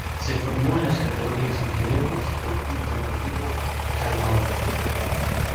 Se formó en las categorías inferiores del Club Deportivo Calahorra.